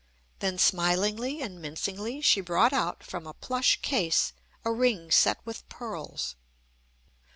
Then smilingly and mincingly she brought out, from a plush case, a ring set with pearls.